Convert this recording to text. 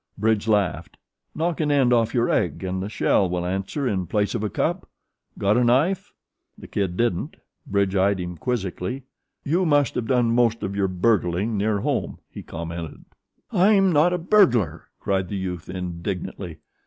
Bridge laughed. "Knock an end off your egg and the shell will answer in place of a cup. Got a knife?" The Kid didn't. Bridge eyed him quizzically. "You must have done most of your burgling near home," he commented. "I'm not a burglar!" cried the youth indignantly.